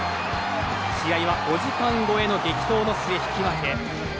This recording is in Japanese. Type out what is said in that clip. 試合は５時間超えの激闘の末引き分け。